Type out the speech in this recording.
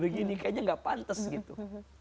kayaknya gak pantas gitu